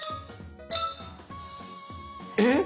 えっ！